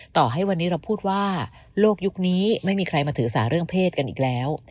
ต่อให้วันนี้เราพูดว่าโลกยุคนี้ไม่มีใครมาถือสาเรื่องเพศกันอีกแล้ว